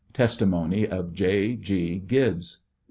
Testimony of J. G. Gibhes.